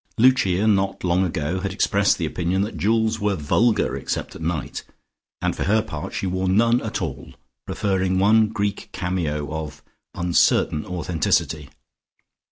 Lucia, not long ago had expressed the opinion that jewels were vulgar except at night, and for her part she wore none at all, preferring one Greek cameo of uncertain authenticity.